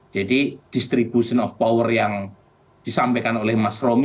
jadi distribution of power yang disampaikan oleh mas romy